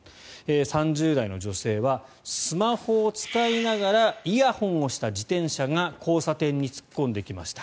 ３０代の女性はスマホを使いながらイヤホンをした自転車が交差点に突っ込んできました。